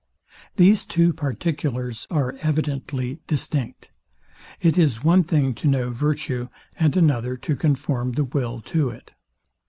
These two particulars are evidently distinct. It is one thing to know virtue, and another to conform the will to it.